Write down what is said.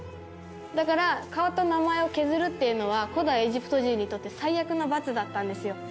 だから顔と名前を削るっていうのは古代エジプト人にとって最悪の罰だったんですよ。